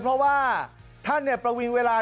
เพราะว่าท่านประวิงเวลา